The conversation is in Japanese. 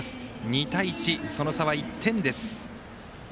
２対１、その差は１点。